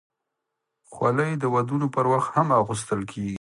خولۍ د ودونو پر وخت هم اغوستل کېږي.